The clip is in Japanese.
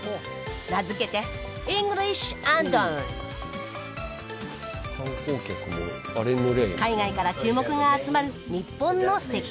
名付けて海外から注目が集まる日本の接客。